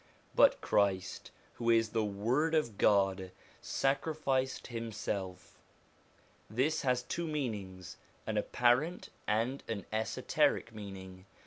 But Christ, who is the Word of God, sacrificed him self. This has two meanings, an apparent and an esoteric meaning.